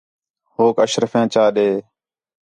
ہوک اشرفیاں چا ݙے